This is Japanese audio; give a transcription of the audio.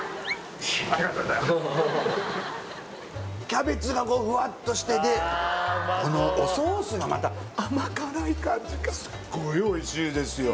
キャベツがこうふわっとしててあのおソースがまた甘辛い感じがすっごいおいしいですよ